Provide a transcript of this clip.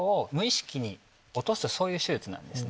そういう手術なんですね。